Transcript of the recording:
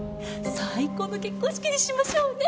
最高の結婚式にしましょうね。